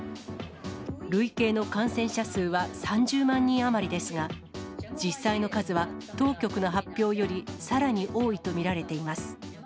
累計の感染者数は３０万人余りですが、実際の数は当局の発表よりさらに多いと見られています。